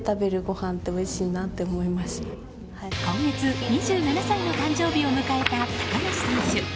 今月２７歳の誕生日を迎えた高梨選手。